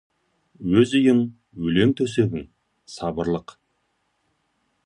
Өз үйің, өлең төсегің — сабырлық.